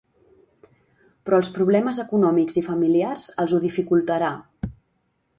Però els problemes econòmics i familiars els ho dificultarà.